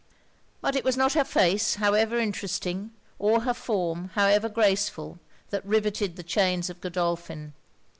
But it was not her face, however interesting; or her form, however graceful; that rivetted the chains of Godolphin.